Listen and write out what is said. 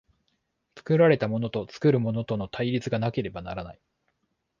作られたものと作るものとの対立がなければならない。